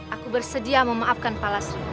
aku bersedia memaafkan pak lastri